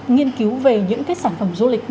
nghiên cứu về những cái sản phẩm du lịch